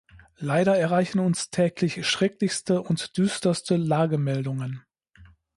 Leider erreichen uns täglich schrecklichste und düsterste Lagemeldungen.